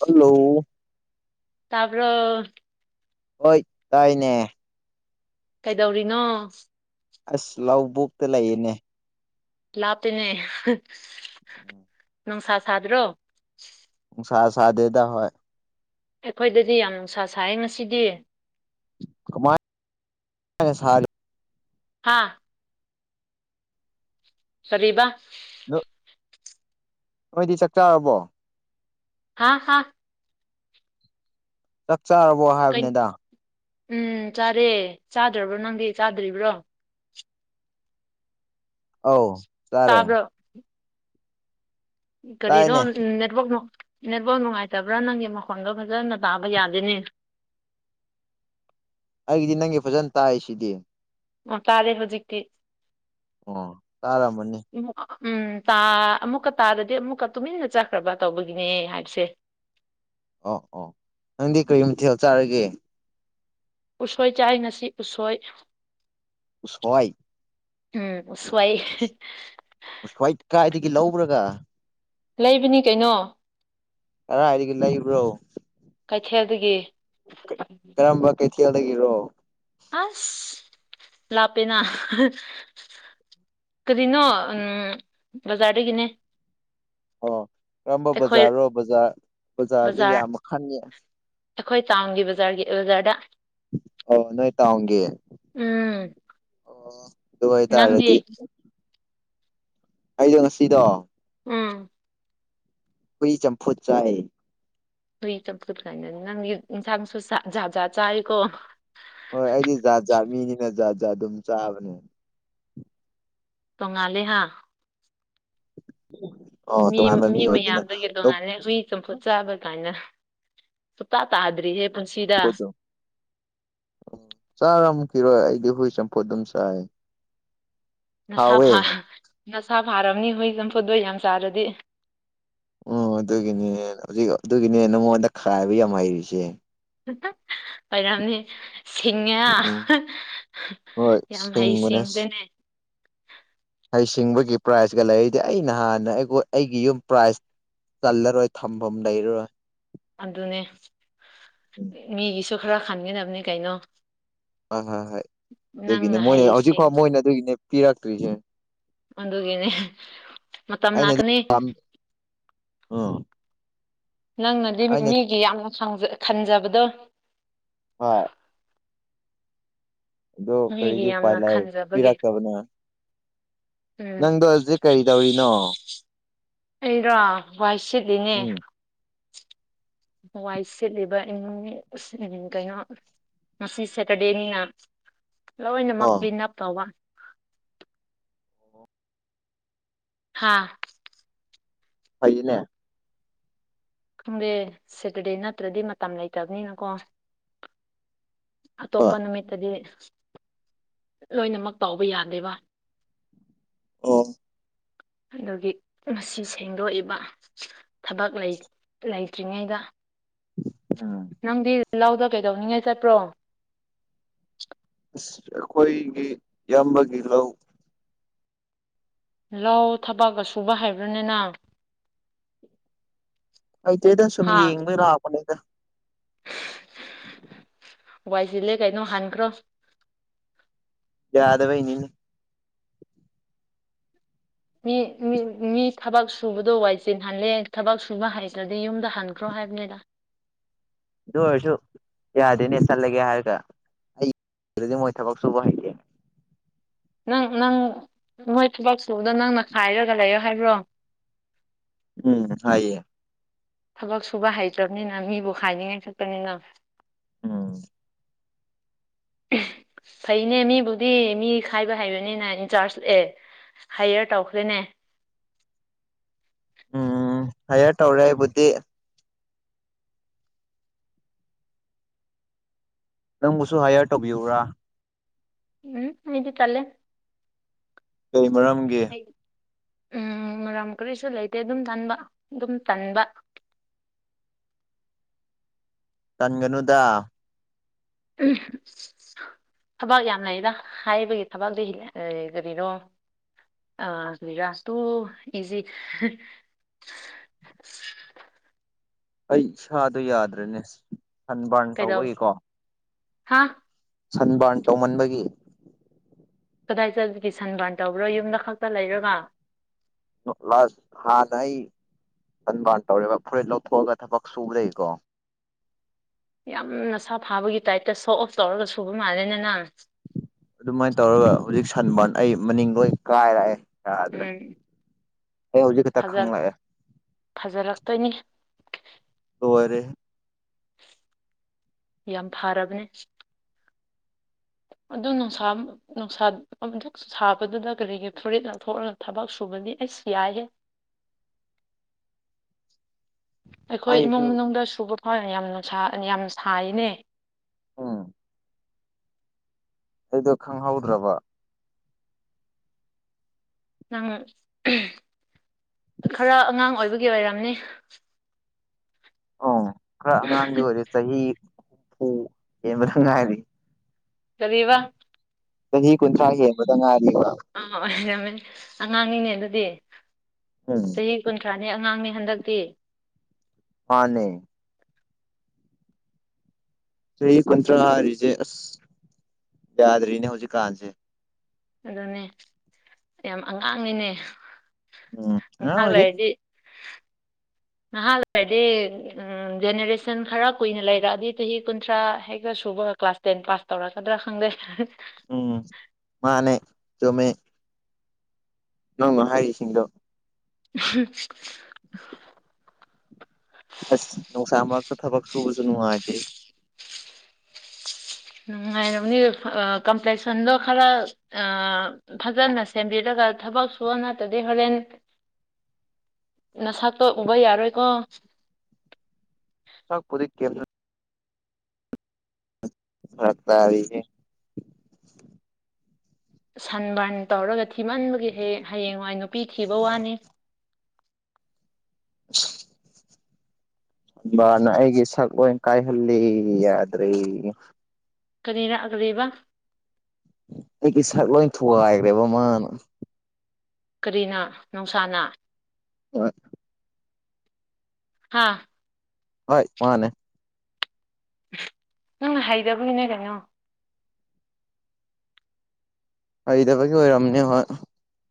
Hello ꯇꯄꯣ ꯍꯣꯏ ꯇꯥꯏꯅꯦ ꯀꯩꯗꯧꯔꯤꯅꯣ ꯑꯁ ꯂꯕꯣꯛꯇ ꯂꯩꯌꯦꯅꯦ ꯂꯥꯞꯇꯦꯅꯦ ꯅꯨꯡꯁꯥ ꯁꯥꯗ꯭ꯔꯣ ꯁꯥ ꯁꯥ ꯗꯦꯗ ꯍꯣꯏ ꯑꯩꯈꯣꯏꯗꯗꯤ ꯌꯥꯝ ꯅꯨꯡꯁꯥ ꯁꯥꯏꯌꯦ ꯉꯁꯤꯗꯤ ꯀꯃꯥꯏ ꯁ ꯍꯥꯥ ꯁꯔꯤꯕ ꯂꯣ ꯅꯣꯏꯗꯤ ꯆꯥꯛ ꯆꯥꯔꯕꯣ ꯍꯥꯥ ꯍꯥꯥ ꯆꯥꯛ ꯆꯥꯔꯕꯣ ꯀꯩ? ꯍꯥꯏꯕꯅꯤꯗ ꯎꯝ ꯆꯥꯔꯦ ꯆꯥꯗ꯭ꯔꯕꯣ ꯅꯪꯗꯤ ꯆꯥꯗ꯭ꯔꯤꯕ꯭ꯔꯣ ꯑꯧ ꯆꯔꯦ ꯇꯥꯕ꯭ꯔꯣ ꯀꯔꯤꯅꯣ ꯇꯥꯏꯅꯦ ꯅꯦꯠꯋꯥꯛꯅꯣ ꯅꯦꯠꯕꯣ ꯅꯨꯡꯉꯥꯏꯇꯕ꯭ꯔꯥ ꯅꯪꯒꯤ ꯃꯈꯣꯟꯗꯣ ꯐꯖꯅ ꯇꯥꯕ ꯌꯥꯗꯅꯤ [inaudible] ꯑꯩꯒꯤꯗꯤ ꯅꯪꯒꯤ ꯐꯖꯅ ꯇꯥꯏ ꯁꯤꯗꯤ ꯑꯣ ꯇꯥꯔꯦ ꯍꯧꯖꯤꯛꯇꯤ ꯑꯣ ꯇꯥꯔꯝꯕꯅꯤ ꯎꯝ ꯇꯥ ꯑꯃꯨꯛꯀ ꯇꯥꯗꯗꯤ ꯑꯃꯨꯛꯀ ꯇꯨꯃꯤꯟꯅ ꯆꯠꯈ꯭ꯔꯕ ꯇꯧꯕꯒꯤꯅꯦ ꯍꯥꯏꯕꯁꯦ ꯑꯣ ꯑꯣ ꯅꯪꯗꯤ ꯀꯔꯤ ꯃꯊꯦꯜ ꯆꯥꯔꯒꯦ ꯎꯁꯣꯏ ꯆꯥꯏ ꯉꯁꯤ ꯎꯁꯣꯏ ꯁꯣꯏ ꯎꯝ ꯁꯋꯥꯏ ꯎꯁ꯭ꯋꯥꯏ ꯀꯥꯏꯗꯒꯤ ꯂꯧꯕ꯭ꯔꯒ ꯂꯩꯕꯅꯤ ꯀꯩꯅꯣ ꯑꯔ ꯍꯥꯏꯒꯂ ꯏꯕ꯭ꯔꯣ ꯀꯩꯊꯦꯜꯗꯒꯤ ꯀꯔꯝꯕ ꯀꯩꯊꯦꯜꯗꯒꯤꯔꯣ ꯑꯁ ꯂꯥꯛꯄꯦꯅꯥ ꯀꯔꯤꯅꯣ ꯎꯝ ꯕꯖꯥꯔꯗꯒꯤꯅꯦ ꯑꯣ ꯀꯔꯝꯕ ꯑꯩꯈꯣꯏ ꯕꯖꯥꯔꯅꯣ ꯕꯖꯥꯔ ꯕꯖꯥꯔꯁ ꯕꯖꯥꯔ ꯌꯥꯝ ꯈꯟꯉꯦ ꯑꯩꯈꯣꯏ ꯇꯥꯎꯟꯒꯤ ꯕꯖꯥꯔꯒꯤ ꯑꯦꯋꯖꯥꯔꯗ ꯑ ꯅꯣꯏ ꯇ ꯑꯣꯡꯒꯦ ꯎꯝ ꯑꯣ ꯑꯗꯨꯗꯨꯕꯏ ꯅꯪꯗꯤ ꯇꯥꯔꯗꯤ ꯑꯩꯗꯣ ꯉꯁꯤꯗꯣ ꯎꯝ ꯀꯏ ꯆꯝꯐꯨ ꯆꯥ ꯇꯏ ꯆꯝ ꯐꯠ ꯈꯥꯏꯅ ꯅꯪ ꯏꯟꯁꯥꯡꯁꯨ ꯁꯥꯖꯥꯖꯥ ꯆꯥꯔꯀ ꯍꯣꯏ ꯑꯩꯗꯤ ꯖꯥꯠ ꯖꯥꯠ ꯃꯤꯅꯤꯅ ꯖꯥꯠ ꯖꯥꯠ ꯑꯗꯨꯝ ꯆꯥꯕꯅꯦ ꯇꯣꯡꯉꯂꯦ ꯍꯥ ꯑꯣ ꯃꯤ ꯇꯣꯉꯥꯟꯕ ꯃꯤ ꯑꯣꯏꯕꯅꯤꯅ ꯃꯌꯥꯝꯗ ꯂꯣꯛ ꯀꯗꯣꯡꯉꯜꯂꯦ ꯍꯨꯏ ꯆꯄ ꯆꯥꯕ ꯀꯥꯏꯅ ꯁ ꯇꯥ ꯇꯥꯗ꯭ꯔꯤ ꯍꯦ ꯆꯥꯔꯝꯈꯤꯔꯣꯏ ꯑꯩꯗꯤ ꯍꯣꯏ ꯆꯄꯣ ꯑꯗꯨꯝꯁꯥꯏ ꯅꯁꯥ ꯅꯁꯥ ꯐꯥꯔꯝꯅꯤ ꯍꯨꯣꯏ ꯆꯝꯐꯨꯠꯗꯣ ꯌꯥꯝ ꯆꯥꯔꯗꯤ ꯑꯣ ꯑꯗꯨꯒꯤꯅꯦ ꯍꯧꯖꯤꯛ ꯑꯗꯨꯒꯤꯅꯦ ꯅꯉꯣꯟꯗ ꯈꯥꯏꯕ ꯌꯥꯝ ꯍꯩꯔꯤꯁꯦ ꯐꯣꯏ ꯌꯥꯝꯅꯤ ꯁꯤꯡꯉ ꯎꯝ ꯍꯣꯏ ꯌꯥꯝ ꯁꯤꯡꯕꯅꯦ ꯍꯩꯁꯤꯡꯗꯅꯦ ꯍꯩꯁꯤꯡꯕꯒꯤ ꯄ꯭ꯔꯥꯏꯖꯀ ꯂꯩꯔꯤꯗꯤ ꯑꯩꯩꯅ ꯍꯥꯟꯅ ꯑꯩ ꯑꯩꯒꯤ ꯌꯨꯝ ꯄ꯭ꯔꯥꯏꯖ ꯆꯜꯂꯔꯣꯏ ꯊꯝꯐꯝ ꯂꯩꯔꯣꯏ ꯑꯗꯨꯅꯦ ꯎꯝ ꯃꯤꯒꯤꯁꯨ ꯈꯔ ꯈꯟꯒꯅꯕꯅꯦ ꯀꯩꯅꯣ ꯑ ꯍꯣꯏ ꯍꯣꯏ ꯑꯗꯨꯒꯤꯅꯦ ꯅꯪꯅ ꯃꯣꯏꯅꯦ ꯍꯩꯔꯤꯁꯦ ꯍꯧꯖꯤꯛ ꯐꯥꯎ ꯃꯣꯏꯅ ꯑꯗꯨꯒꯤꯅꯦ ꯄꯤꯔꯛꯇ꯭ꯔꯤꯁꯦ ꯑꯗꯨꯒꯤꯅꯦ ꯃꯇꯝ ꯂꯥꯛꯀꯅꯤ ꯑꯥ ꯅꯪꯅꯗꯤ ꯃꯤꯒꯤ ꯌꯥꯝꯅ ꯈꯟꯖꯕꯗꯣ ꯍꯣꯏ ꯑꯗꯣ ꯃꯤꯒꯤ ꯀꯔꯤꯗꯤ ꯎꯄꯥꯏ ꯌꯥꯝꯅ ꯂꯥꯛꯑ ꯈꯟꯖꯕꯒꯤ ꯄꯤꯔꯛꯇꯕꯅ ꯎꯝ ꯅꯪꯗꯣ ꯍꯧꯖꯤꯛ ꯀꯔꯤ ꯇꯧꯔꯤꯅꯣ ꯑꯩꯔꯣ ꯋꯥꯏ ꯁꯤꯠꯂꯤꯅꯦ ꯎꯝ ꯍꯋꯥꯏ ꯁꯤꯦꯠꯂꯤꯕ ꯏꯃꯨꯡ ꯎ ꯀꯩꯅꯣ ꯉꯁꯤ ꯁꯦꯇꯔꯗꯦꯅꯤꯅ ꯂꯣꯏꯅꯃꯛ ꯑꯣ ꯀ꯭ꯂꯤꯟ ꯑꯞ ꯇꯧꯕ ꯍꯥꯥ ꯐꯩꯅꯦ ꯈꯪꯗꯦ ꯁꯦꯇꯔꯗꯦ ꯅꯠꯇ꯭ꯔꯗꯤ ꯃꯇꯝ ꯂꯩꯇꯕꯅꯤꯅꯀꯣ ꯑ ꯍꯣꯏ ꯇꯣꯄꯅ ꯃꯠꯇꯗꯤꯦ ꯂꯣꯏꯅꯃꯛ ꯇꯥꯎꯕ ꯌꯥꯗꯦꯕ ꯑꯣ ꯑꯗꯨꯒꯤ ꯃꯁꯤ ꯁꯦꯡꯗꯣꯛꯏꯕ ꯊꯕꯛ ꯂꯩꯇ꯭ꯔꯤꯉꯩꯗ ꯑ ꯅꯪꯗꯤ ꯂꯥꯎꯗ ꯀꯩꯗꯧꯅꯤꯡꯉꯥꯏ ꯆꯠꯄ꯭ꯔꯣ ꯑꯩꯈꯣꯏꯒꯤ ꯏꯕꯒꯤ ꯂꯧ ꯂꯧ ꯊꯕꯛꯒ ꯁꯨꯕ ꯍꯥꯏꯕ꯭ꯔꯥꯅꯤꯅ ꯑꯩꯇꯩꯗ ꯁꯨꯝ ꯍꯥ ꯌꯦꯡꯕꯩ ꯂꯥꯛꯑꯄꯅꯦꯗ ꯋꯥꯏꯁꯤꯜꯂꯦ ꯀꯩꯅꯣ ꯍꯥꯟꯈ꯭ꯔꯣ ꯌꯥꯗꯕꯩꯅꯤꯅꯦ ꯃꯤ ꯃꯤ ꯊꯕꯛ ꯁꯨꯕꯗꯣ ꯋꯥꯏꯆꯦꯟ ꯍꯜꯂꯦ ꯊꯕꯛ ꯁꯨꯕ ꯍꯩꯇ꯭ꯔꯗꯤ ꯌꯨꯝꯗ ꯍꯟꯈ꯭ꯔꯣ ꯍꯥꯏꯕꯅꯤꯗ [unintelligible] ꯔꯁꯨ ꯌꯥꯗꯦꯅꯦ ꯆꯠꯂꯒꯦ ꯍꯥꯏꯔꯒ ꯑꯩꯗꯤ ꯃꯣꯏ ꯊꯕꯛ ꯁꯨꯕ ꯍꯩꯇꯦ ꯅꯪ ꯅꯪ ꯃꯣꯏ ꯊꯕꯛ ꯁꯨꯕꯗꯣ ꯅꯪꯅ ꯈꯥꯏꯔꯒ ꯂꯩꯌꯣ ꯍꯥꯏꯕ꯭ꯔꯣ ꯎꯝ ꯍꯥꯏꯦ ꯊꯕꯛ ꯁꯨꯕ ꯍꯩꯇ꯭ꯔꯕꯅꯤꯅ ꯃꯤꯕꯨ ꯍꯥꯏꯅꯤꯡꯉꯥꯏ ꯈꯄꯅꯤꯅ ꯑꯥ [inaudible] ꯐꯩꯅꯦ ꯃꯤꯕꯨꯗꯤ ꯃꯤ ꯈꯥꯏꯕ ꯍꯥꯏꯩꯕꯅꯤꯅ ꯏꯟꯆꯥꯔꯖ ꯂꯑꯦ ꯍꯥꯏꯌꯔ ꯇꯧꯈ꯭ꯔꯦꯅꯦ ꯎꯝ ꯍꯥꯏꯌꯥ ꯇꯧꯔꯦꯕꯨꯗꯤ ꯅꯪꯕꯨꯁꯨ ꯍꯥꯏꯌꯔ ꯇꯧꯕꯤꯌꯨꯔꯥ ꯎꯝ ꯏꯤ ꯇꯂꯦ ꯀꯩ ꯃꯔꯝꯒꯦ ꯎꯝ ꯃꯔꯝ ꯀꯔꯤꯁꯨ ꯂꯩꯇꯦ ꯑꯗꯨꯝ ꯇꯟꯕ ꯑꯗꯨꯝ ꯇꯟꯕ [inaudible] ꯀꯟꯒꯅꯨꯗ ꯑ ꯊꯕꯛ ꯌꯥꯝ ꯂꯩꯗ ꯍꯥꯏꯕꯒꯤ ꯊꯕꯥꯛꯇ ꯀꯔꯤꯅꯣ ꯑ ꯔꯥꯁꯣ ꯏꯖꯤ [inaudible] ꯑꯩ ꯏꯁꯥꯗꯣ ꯌꯥꯗ꯭ꯔꯦꯅꯦ ꯁꯟ ꯕꯥꯔꯟ ꯇꯧꯕꯒꯤꯀꯣ ꯍꯥꯥ ꯁꯟꯕꯥꯔꯟ ꯇꯧꯃꯟꯕꯒꯤ ꯀꯗꯥꯏ ꯆ ꯀꯁꯟꯥꯟ ꯇꯧꯕ꯭ꯔꯣ ꯌꯨꯝꯗ ꯈꯛꯇ ꯂꯩꯔꯒ ꯁꯟꯕꯥꯟ ꯇꯧꯔꯦꯕ ꯐꯨꯔꯤꯠ ꯂꯧꯊꯣꯛꯑꯒ ꯊꯕꯛ ꯁꯨꯕꯩꯀꯣ ꯌꯥꯝ ꯅꯁꯥ ꯐꯥꯕꯒꯤ ꯇꯥꯏꯞꯇ ꯁꯣ ꯑꯣꯐ ꯇꯧꯔꯒ ꯁꯨꯕ ꯃꯥꯜꯂꯦꯅ ꯅꯪ ꯑꯗꯨꯃꯥꯏꯅ ꯇꯧꯔꯒ ꯍꯧꯖꯤꯛ ꯁꯟꯕꯥꯔꯟ ꯑꯩ ꯃꯅꯤꯡ ꯂꯣꯏ ꯀꯥꯏꯔꯛꯑꯦ ꯌꯥꯗ꯭ꯔꯦ ꯎꯝ ꯑꯩ ꯍꯧꯖꯤꯛ ꯛꯇ ꯐꯖ ꯈꯪꯂꯪꯂꯛꯑꯦ ꯐꯖꯔꯛꯇꯣꯏꯅꯤ ꯇꯔꯦ ꯌꯥꯝ ꯐꯥꯔꯕꯅꯦ [inaudible] ꯑꯗꯨ ꯅꯨꯡꯁꯥ ꯅꯨꯡꯁꯥ ꯑꯗꯨꯛ ꯁꯥꯕꯗꯨꯗ ꯀꯔꯤꯒꯤ ꯐꯨꯔꯤꯠ ꯂꯧꯊꯣꯛꯂꯒ ꯊꯕꯛ ꯁꯨꯕꯗꯤ ꯑꯩꯁ ꯌꯥꯗꯦ ꯑꯩꯈꯣꯏ ꯏꯃꯨꯡ ꯑꯩꯁꯨ ꯃꯅꯨꯡꯗ ꯁꯨꯕ ꯐꯥꯎꯦ ꯌꯥꯝꯅꯨꯡ ꯌꯥꯝ ꯁꯔꯤꯅꯦ ꯎꯝ ꯑꯩꯗꯣ ꯈꯪꯍꯧꯗ꯭ꯔꯕ ꯅꯪ ꯈꯔ ꯑꯉꯥꯡ ꯑꯣꯏꯕꯒꯤ ꯑꯣꯏꯔꯝꯅꯤ ꯑꯣ ꯈꯔ ꯑꯉꯥꯡꯗꯤ ꯑꯣꯏꯔꯦ ꯆꯍꯤ ꯍꯨꯝꯐꯨ ꯍꯦꯟꯕꯗ ꯉꯥꯏꯔꯤ ꯀꯔꯤꯕ ꯍ ꯀꯣꯟꯟ꯭ꯔ ꯍꯥꯏ ꯃ ꯉ ꯑꯥ ꯑꯣꯏꯔꯝꯃꯦ ꯑꯉꯥꯡꯅꯤꯅꯦ ꯑꯗꯨꯗꯤ ꯎꯝ ꯆꯍꯤ ꯀꯨꯟꯊ꯭ꯔꯥꯅꯤ ꯑꯉꯥꯡꯅꯤ ꯍꯟꯗꯛꯇꯤ ꯃꯥꯅꯦ ꯆꯍꯤ ꯀꯨꯟꯊ꯭ꯔꯥ ꯍꯥꯏꯔꯤꯁꯦ ꯑꯁ ꯌꯥꯗ꯭ꯔꯤꯅꯦ ꯍꯧꯖꯤꯛꯀꯥꯟꯁꯦ ꯑꯗꯨꯅꯦ ꯌꯥꯝ ꯑꯉꯥꯡꯅꯤꯅꯦ ꯎꯝ ꯑꯉꯥꯡ ꯉꯒ ꯑꯣꯏꯔꯤ ꯍꯥꯏꯗꯤ ꯅꯍꯥꯋꯥꯔꯗꯤ ꯎ ꯖꯦꯅꯦꯔꯦꯁꯟ ꯈꯔ ꯀꯨꯏꯅ ꯂꯩꯔꯛꯑꯗꯤ ꯆꯍꯤ ꯀꯨꯟꯊ꯭ꯔꯥ ꯍꯦꯛꯇ ꯁꯨ ꯑꯗꯨꯒ ꯀ꯭ꯂꯥꯁ ꯇꯦꯟ ꯄꯥꯁ ꯇꯧꯔꯛꯀꯗ꯭ꯔꯥ ꯈꯪꯗꯦ ꯎꯝ ꯃꯥꯅꯦ ꯆꯃꯦ ꯅꯪꯉ ꯍꯥꯏꯔꯤꯁꯤꯡꯗꯣ [inaudible] ꯑꯁ ꯅꯨꯡꯁꯥ ꯃꯔꯛꯇ ꯊꯕꯛ ꯁꯨꯕꯁꯨ ꯅꯨꯡꯉꯥꯏꯇꯦ ꯅꯨꯡꯉꯥꯏꯅꯤ ꯀꯝꯄ꯭ꯂꯦꯛꯁꯟꯗꯣ ꯈꯔ ꯐꯖꯅ ꯁꯦꯝꯕꯤꯔꯒ ꯊꯕꯛ ꯁꯨ ꯅꯇꯗꯤ ꯍꯣꯔꯦꯟ ꯅꯁꯥꯛꯇꯣ ꯎꯕ ꯌꯥꯔꯣꯏꯀꯣ ꯆꯛꯄꯔꯤ ꯀ꯭ꯔ ꯍꯥꯥꯛ ꯇꯒꯦ ꯁꯟ ꯕꯔꯟ ꯇꯧꯔꯒ ꯊꯤꯃꯟꯕꯒꯤ ꯍꯌꯦꯡꯋꯥꯏ ꯅꯨꯄꯤ ꯊꯤꯕ ꯋꯥꯅꯤ [unintelligible] [unintelligible] ꯅ ꯑꯩꯒꯤ ꯁꯛ ꯂ ꯀꯥꯏꯍꯜꯂꯤ ꯌꯥꯗ꯭ꯔꯔꯤ ꯀꯔꯤ ꯂꯥꯛꯑꯒꯕ ꯑꯩꯒꯤ ꯁꯛ ꯂꯣꯏ ꯊꯨꯒꯥꯏꯈ꯭ꯔꯦꯕ ꯃꯥꯅ ꯀꯔꯤꯅ ꯅꯨꯡꯁꯥꯅ ꯍꯣꯏ ꯍꯥꯥ ꯍꯣꯏ ꯃꯥꯅꯦ ꯅꯪꯅ ꯍꯩꯗꯕꯒꯤꯅꯦ ꯀꯩꯅꯣ ꯑꯩꯗꯕꯒꯤ ꯑꯣꯏꯣꯏꯔꯝꯅꯦ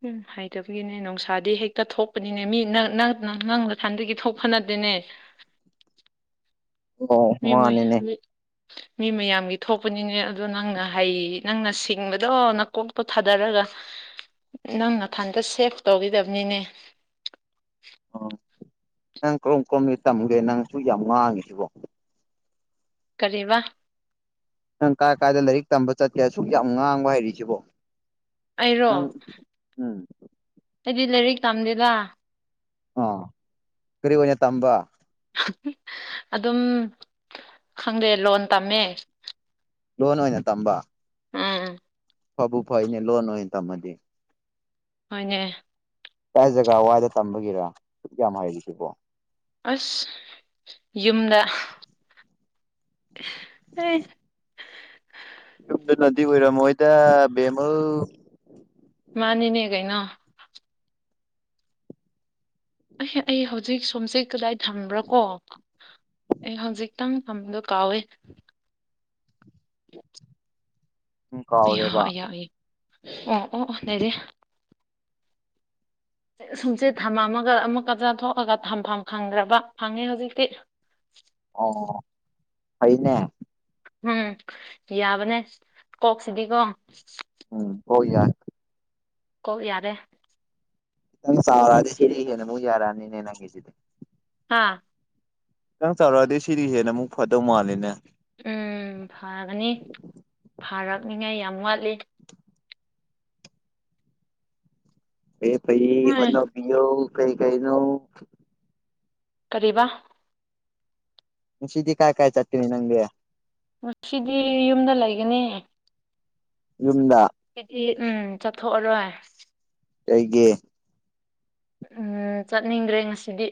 ꯎꯝ ꯍꯥꯏꯇꯕꯒꯤꯅꯦ ꯅꯨꯡꯁꯥꯗꯤ ꯍꯦꯛꯇ ꯊꯣꯛꯄꯅꯤꯅꯦ ꯃꯤ ꯅ ꯅꯪ ꯂꯀꯥꯟꯗꯒꯤ ꯊꯣꯛ ꯐꯅꯗꯦꯅꯦ [inaudible] ꯑꯣ ꯃꯥꯅꯦꯅꯦ ꯃꯤ ꯃꯌꯥꯝꯒꯤ ꯊꯣꯛꯄꯅꯤꯅꯦ ꯑꯗꯣ ꯅꯪꯅ ꯍꯩ ꯅꯪꯅ ꯁꯤꯡꯕꯗꯣ ꯅꯀꯣꯛꯇꯣ ꯊꯥꯗꯔꯒ ꯅꯪ ꯅꯊꯟꯗ ꯁꯦꯚ ꯇꯧꯕꯤꯗꯕꯅꯤꯅꯦ ꯎ ꯅꯪ ꯀꯔꯝ ꯀꯔꯣꯝꯗꯤ ꯇꯝꯒꯦ ꯅꯪꯁꯨ ꯌꯥꯝ ꯋꯥꯥꯡꯉꯤꯁꯤꯕꯣ ꯀꯔꯤ ꯋꯥ ꯅꯪ ꯀꯥꯏ ꯀꯥꯏꯗ ꯂꯥꯏꯔꯤꯛ ꯇꯝꯕ ꯆꯠꯀꯦ ꯑꯁꯨꯛ ꯌꯥꯝ ꯉꯥꯡꯕ ꯍꯥꯏꯔꯤꯁꯤꯕꯣ ꯑꯩꯔꯣ ꯎꯝ ꯎꯝ ꯑꯩꯗꯤ ꯂꯥꯏꯔꯤꯛ ꯇꯝꯗꯦꯗꯥ ꯑ ꯀꯔꯤꯒ ꯑꯣꯏꯅ ꯇꯝꯕ ꯑꯗꯨꯝ ꯈꯪꯗꯦ ꯂꯣꯟ ꯇꯝꯃꯦ ꯂꯣꯅ ꯑꯣꯏꯅ ꯑꯣꯏꯅ ꯇꯝꯕ ꯎꯝ ꯎꯝ ꯐꯕꯕꯨꯐꯣꯏꯅꯤ ꯂꯣꯟ ꯑꯣꯏ ꯇꯃꯗꯤ ꯍꯅꯦ ꯀꯥꯏ ꯖꯒꯥ ꯋꯥꯗ ꯇꯝꯕꯒꯤꯔ ꯁꯛ ꯌꯥꯝ ꯍꯥꯏꯔꯤꯁꯤꯕꯣ ꯑꯁ ꯌꯨꯝꯗ ꯍ ꯌꯨꯝꯗꯅꯗꯤ ꯑꯣꯏꯔꯣ ꯃꯣꯏꯗ ꯕꯦꯃꯜ ꯃꯥꯅꯤꯅꯦ ꯀꯥꯏꯩꯅꯣ ꯑꯩ ꯑꯩ ꯍꯧꯖꯤꯛ ꯁꯣꯝꯁꯦ ꯀꯗꯥꯏ ꯊꯝꯕ꯭ꯔꯥ ꯀꯣ ꯑꯩ ꯍꯧꯖꯤꯛꯇꯪ ꯊꯝꯕꯗꯣ ꯀꯥꯎꯋꯦ ꯍ ꯎꯝ ꯌꯥ ꯀꯥꯎꯔꯦꯕ ꯌꯥꯏ ꯑꯣ ꯑꯣ ꯑꯣ ꯂꯩꯗꯤꯦ ꯁꯨꯝꯆꯦ ꯊꯝ ꯑꯃꯒ ꯑꯃꯨꯛꯀ ꯆꯥꯊꯣꯛꯑꯒ ꯊꯝꯐꯝ ꯐꯪꯗ꯭ꯔꯕ ꯐꯪꯉꯦ ꯍꯧꯖꯤꯛꯇꯤ [inaudible] ꯑꯣ ꯐꯅꯦ ꯎꯝ ꯌꯥꯕꯅꯦ ꯀꯣꯛꯁꯤꯗꯤꯀꯣ ꯎꯝ ꯍ ꯌꯥꯔ ꯀ ꯌꯥꯔꯦ ꯥꯎꯨ ꯌꯥꯔꯅꯤ ꯅ ꯅꯪ ꯀꯦꯁꯤꯗ ꯍꯥꯥ ꯅꯪ ꯆꯥꯎꯔꯛꯑꯗꯤ ꯁꯤꯗꯤ ꯍꯦꯟꯅ ꯑꯃꯨꯛ ꯐꯗꯧ ꯃꯥꯂꯦꯅꯦ ꯎꯝ ꯐꯒꯅꯤ ꯐꯥꯔꯛꯅꯤꯉꯥꯏ ꯌꯥꯝ ꯋꯥꯠꯂꯤ ꯑꯦ ꯄꯩ ꯎꯝ ꯑꯣꯅꯣ ꯄꯤꯌꯣ ꯀꯩ ꯀꯥꯏ ꯅ ꯀꯔꯤꯕꯥ ꯁꯤꯗꯤ ꯀꯥꯏ ꯀꯥꯏ ꯆꯠꯇꯃꯤ ꯅꯪꯒꯦ ꯉꯗꯤ ꯌꯨꯝꯗ ꯂꯩꯒꯅꯤ ꯌꯗ ꯍꯥꯏꯗꯤ ꯎꯝ ꯆꯠꯊꯣꯛꯑꯔꯣꯏ ꯑꯩꯒꯤꯦ ꯎꯝ ꯆꯠꯅꯤꯡꯗ꯭ꯔꯦ ꯉꯁꯤꯗꯤ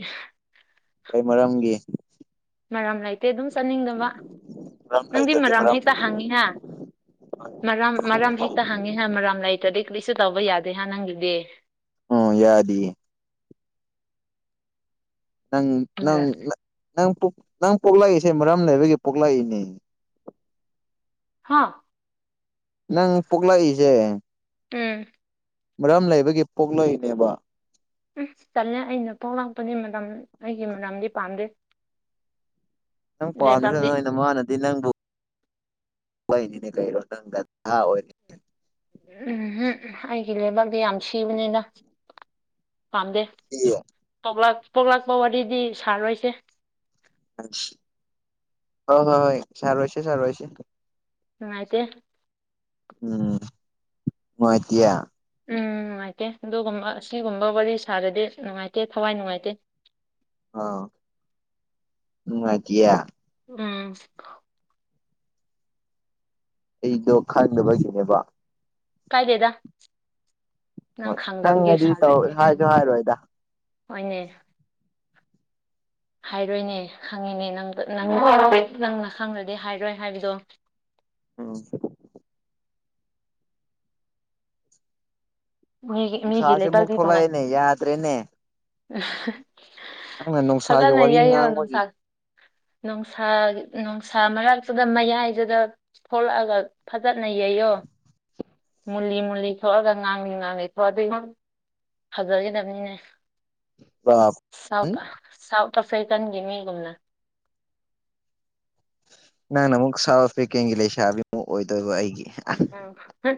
ꯀꯩ ꯃꯔꯝꯒꯤ ꯃꯔꯝ ꯂꯩꯇꯦ ꯑꯗꯨꯝ ꯆꯠꯅꯤꯡꯗꯕ ꯃꯔꯝ ꯅꯪꯗꯤ ꯂꯩꯇ꯭ꯔꯗꯤ ꯃꯔꯝ ꯍꯦꯛꯇ ꯍꯪꯉꯤꯍ ꯃꯔꯝ ꯃꯔꯝ ꯍꯦꯛꯇ ꯍꯪꯉꯤ ꯃꯔꯥꯝ ꯂꯩꯇꯗꯤ ꯀꯔꯤꯁꯨ ꯇꯧꯕ ꯌꯥꯗꯦꯍ ꯅꯪꯒꯤꯗꯤ ꯑꯣꯝ ꯌꯥꯗꯤ ꯅꯪ ꯅꯪ ꯃꯔꯝ ꯅꯪ ꯅꯪ ꯄꯣꯛꯂꯛꯏꯁꯦ ꯃꯔꯝ ꯂꯩꯕꯒꯤ ꯄꯣꯛꯂꯛꯏꯅꯦ ꯍꯥꯥ ꯅꯪ ꯄꯣꯛꯣꯛꯂꯛꯏꯁꯦ ꯎꯝ ꯃꯔꯝ ꯂꯩꯕꯒꯤ ꯄꯣꯛꯂꯣꯏꯅꯦꯕ ꯎ ꯆꯠꯂꯦ ꯑꯩꯅ ꯄꯣꯛ ꯂꯥꯛꯄꯅꯤ ꯃꯔꯝ ꯑꯩꯒꯤ ꯃꯔꯝꯗꯤ ꯄꯥꯝꯗꯦ ꯅꯪ ꯂꯩꯕꯥꯛꯗꯤ ꯄꯥꯝꯗꯨꯁꯨꯅ ꯃꯥꯅꯗꯤ ꯅꯪꯕꯨ ꯀꯣꯏꯅꯤ ꯅ ꯀꯔꯣ ꯅꯪꯒ ꯊ ꯎꯝꯝ ꯑꯩꯒꯤ ꯂꯩꯕꯥꯛꯇ ꯌꯥꯝ ꯁꯤꯕꯅꯤꯅ ꯄꯥꯝꯗꯦ ꯍꯣꯏ ꯄ ꯄꯣꯛꯂꯥꯛꯄ ꯋꯥꯔꯤꯗꯤ ꯁꯥꯔꯔꯣꯏꯁꯦ ꯍ ꯍꯣꯏ ꯍꯣꯏ ꯁꯔꯣꯁ ꯁꯔꯨꯁ ꯎꯝ ꯑꯥꯏꯇꯦ ꯎꯝ ꯃ ꯑꯦꯌꯥ ꯎꯝ ꯅꯨꯡꯉꯥꯏꯇꯦ ꯑꯗꯨꯒꯨꯝꯕ ꯑꯁꯤꯒꯨꯝꯕ ꯋꯥꯔꯤ ꯁꯥꯔꯗꯤ ꯅꯨꯡꯉꯥꯏꯇꯦ ꯊꯋꯥꯏ ꯅꯨꯡꯉꯥꯏꯇꯦ ꯑ ꯎ ꯀꯌꯥ ꯎꯝ ꯑꯩꯗꯣ ꯈꯪꯅꯕꯒꯤꯅꯦꯕ ꯀꯥꯏꯗꯦꯗꯥ ꯅꯪ ꯍꯣꯏ ꯈꯪꯗꯕꯒꯤ ꯈꯪꯉꯗꯤ ꯁꯥ ꯇꯧ ꯂꯩꯁꯦ ꯍꯥꯏꯁꯨ ꯍꯥꯏꯕꯅꯤ ꯍꯥꯏꯔꯣꯏꯗ ꯍꯣꯏꯅꯦ [unintelligible] ꯍꯥꯏꯔꯣꯏꯅꯦ ꯈꯪꯉꯤꯅꯦ ꯅꯪꯅ ꯈꯪꯗ꯭ꯔꯗꯤ ꯍꯥꯏꯔꯣꯏ ꯍꯥꯏꯕꯗꯣ ꯑ ꯃꯤꯒꯤ ꯃꯤꯒꯤ ꯅꯨꯡꯁꯥꯁꯦ ꯑꯃꯨꯛ ꯂꯩꯕꯗꯤ ꯇꯣꯅꯥꯏ ꯊꯣꯛꯂꯛꯑꯦꯅꯦ ꯌꯥꯗ꯭ꯔꯦꯅꯦ ꯅꯪꯅ ꯅꯨꯡꯁꯥꯒꯤ ꯐꯖꯅ ꯋꯥꯔꯤ ꯌꯥꯏꯉꯣ ꯉꯥꯡꯕꯒꯤ ꯑꯗꯨꯅꯨꯡꯁꯥꯛ ꯅꯨꯡꯁꯥ ꯅꯨꯡꯁꯥ ꯃꯔꯛꯇꯨꯗ ꯃꯌꯥꯏꯗꯨꯗ ꯊꯣꯛꯂꯛꯑꯒ ꯐꯖꯅ ꯌꯩꯌꯣ ꯃꯨꯂꯤ ꯃꯨꯂꯤ ꯊꯣꯒꯉꯥ ꯉꯥꯡ ꯉꯥꯡꯉꯤ ꯊꯣꯛ ꯑꯗꯨꯏ ꯐꯖꯈꯤꯗꯅꯤꯅꯦ ꯁꯧ ꯎꯝ ꯁ ꯀ ꯐꯦꯀꯒꯤꯦ ꯃꯤꯒꯨꯝꯅ ꯅꯪ ꯅ ꯑꯃꯨꯛ ꯁꯥꯕ ꯄꯦꯀꯦꯟꯒꯤ ꯂꯩꯁꯥꯕꯤꯃꯨꯛ ꯑꯣꯏꯗꯣꯏꯕ ꯑꯩꯒꯤ ꯎ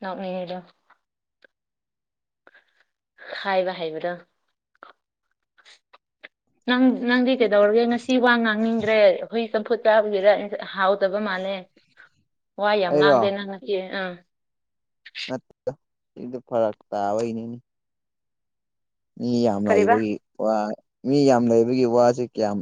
ꯅꯃꯤꯗꯣ ꯍꯥꯏꯕ ꯍꯥꯏꯕꯗ ꯅꯪ ꯅꯪꯗꯤ ꯀꯩꯗꯧꯔꯒꯦ ꯉꯁꯤ ꯋꯥ ꯉꯥꯡꯅꯤꯡꯗ꯭ꯔꯦ ꯑꯩꯈꯣꯏ ꯆꯝꯐꯨꯠ ꯆꯥꯕꯒꯤꯗ ꯍꯥꯎꯗꯕ ꯃꯥꯜꯂꯦ ꯋꯥꯏ ꯌꯥꯝ ꯂꯥꯡꯗꯦ ꯅꯪꯉꯛꯑ ꯑꯥ ꯏꯗꯤ ꯐꯔꯛ ꯇꯥꯅꯦꯅꯤ ꯃꯤ ꯌꯥꯝ ꯀꯔꯤꯕ ꯂꯩꯕꯒꯤ ꯋꯥ ꯃꯤ ꯌꯥꯝ ꯂꯩꯕꯒꯤ ꯋꯥꯁꯦ ꯀꯌꯥꯝ